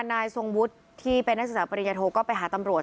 นายทรงวุฒิที่เป็นนักศึกษาปริญญาโทก็ไปหาตำรวจ